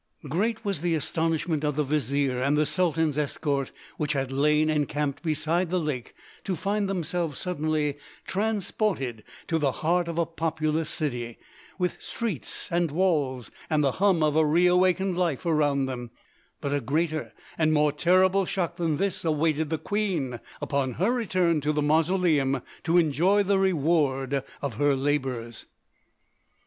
Great was the astonishment of the Vizier and the Sultan's escort which had lain encamped beside the lake to find themselves suddenly transported to the heart of a populous city, with streets and walls and the hum of reawakened life around them; but a greater and more terrible shock than this awaited the queen upon her return to the mausoleum to enjoy the reward of her labours.